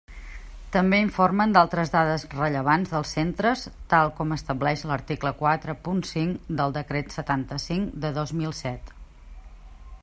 També informen d'altres dades rellevants dels centres tal com estableix l'article quatre punt cinc del Decret setanta-cinc de dos mil set.